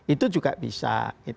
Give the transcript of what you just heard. itu juga bisa